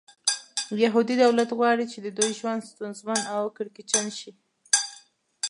یهودي دولت غواړي چې د دوی ژوند ستونزمن او کړکېچن شي.